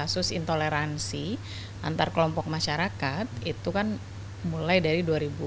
kasus intoleransi antar kelompok masyarakat itu kan mulai dari dua ribu dua puluh